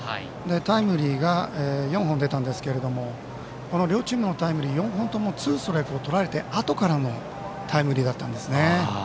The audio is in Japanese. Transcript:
タイムリーが４本出たんですけれどもこの両チームのタイムリー４本ともツーストライクをとられたあとからのタイムリーだったんですね。